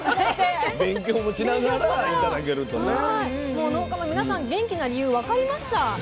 もう農家の皆さん元気な理由分かりました。